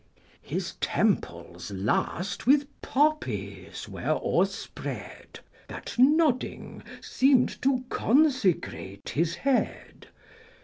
His temples, last, with poppies were o'erspread, That nodding seem'd to consecrate his head.